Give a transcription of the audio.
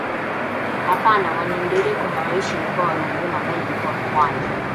Hapana Wandengereko hawaishi Mkoa wa Ruvuma bali mkoa wa Pwani